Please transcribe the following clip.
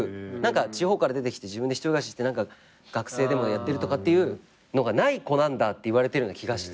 地方から出てきて自分で一人暮らしして学生でもやってるとかっていうのがない子なんだって言われてるような気がして。